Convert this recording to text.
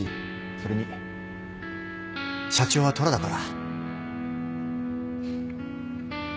それに社長は虎だから。